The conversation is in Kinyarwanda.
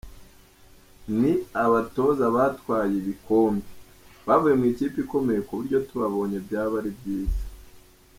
Ni abatoza batwaye ibikombe, bavuye mu ikipe ikomeye ku buryo tubabonye byaba ari byiza.